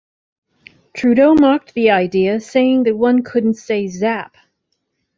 Trudeau mocked the idea, saying that one couldn't say, Zap!